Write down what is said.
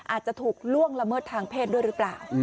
อาจจะถูกล่วงละเมิดทางเพศด้วยหรือเปล่า